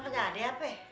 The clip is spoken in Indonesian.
lu nggak ada apa nya